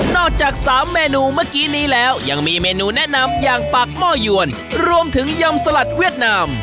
จาก๓เมนูเมื่อกี้นี้แล้วยังมีเมนูแนะนำอย่างปากหม้อยวนรวมถึงยำสลัดเวียดนาม